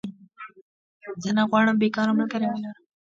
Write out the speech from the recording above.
زه نه غواړم بيکاره ملګری ولرم